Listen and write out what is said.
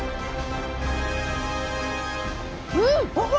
うん！